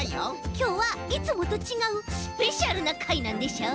きょうはいつもとちがうスペシャルなかいなんでしょう？